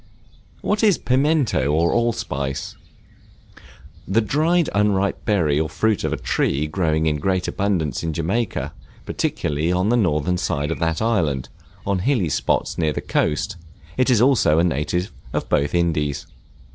What is Pimento or Allspice? The dried unripe berry or fruit of a tree growing in great abundance in Jamaica, particularly on the northern side of that island, on hilly spots, near the coast; it is also a native of both Indies.